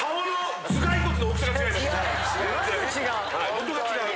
元が違う。